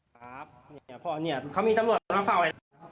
คือในรถเนี่ยแม่อยู่คนเดียว